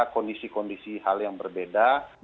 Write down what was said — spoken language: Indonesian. kondisi kondisi hal yang berbeda